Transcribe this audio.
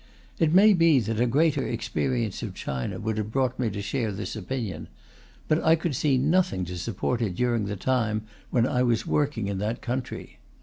It may be that a greater experience of China would have brought me to share this opinion; but I could see nothing to support it during the time when I was working in that country.